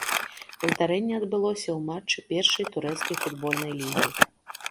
Здарэнне адбылося ў матчы першай турэцкай футбольнай лігі.